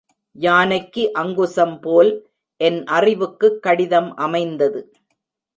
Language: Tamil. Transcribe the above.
யானைக்கு அங்குசம் போல் என் அறிவுக்குக் கடிதம் அமைந்தது.